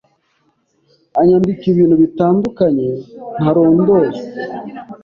anyambika ibintu bitandukanye ntarondoye,